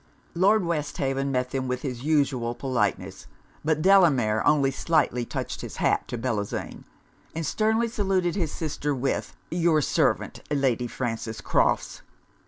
Lord Westhaven met them with his usual politeness; but Delamere only slightly touched his hat to Bellozane, and sternly saluted his sister with 'your servant, Lady Frances Crofts!'